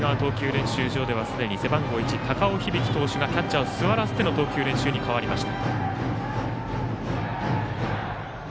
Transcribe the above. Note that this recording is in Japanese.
練習場ではすでに背番号１、高尾響投手がキャッチャーを座らせての投球練習に変わりました。